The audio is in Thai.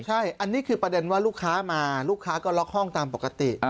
ใช่อันนี้คือประเด็นว่าลูกค้ามาลูกค้าก็ล็อกห้องตามปกติ